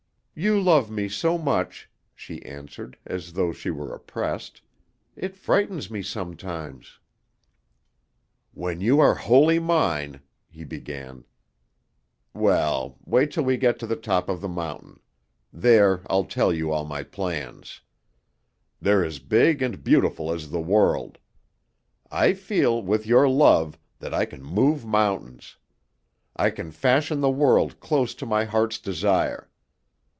"You love me so much," she answered, as though she were oppressed, "it frightens me sometimes." "When you are wholly mine " he began. "Well, wait till we get to the top of the mountain; there I'll tell you all my plans. They're as big and beautiful as the world. I feel, with your love, that I can move mountains. I can fashion the world close to my heart's desire.